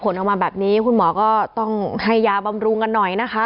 ออกมาแบบนี้คุณหมอก็ต้องให้ยาบำรุงกันหน่อยนะคะ